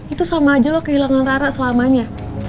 itu sama aja loh kehilangan rara selamanya